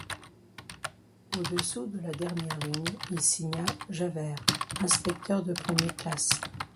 Au-dessous de la dernière ligne il signa: « Javert, « Inspecteur de premier classe.